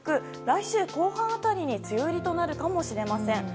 来週後半辺りに梅雨入りとなるかもしれません。